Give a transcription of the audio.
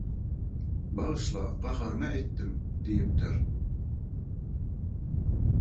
«Bagyşla gaharyma etdim» diýipdir.